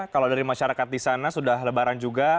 kalau dari masyarakat di sana sudah lebaran juga